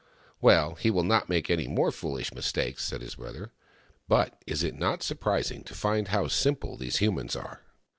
" Well, he will not make any more foolish mis takes," said his brother. " But is it not surprising to find how simple these humans are